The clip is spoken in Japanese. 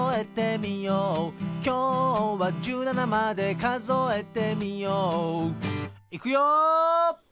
「きょうは１７までかぞえてみよう」いくよ！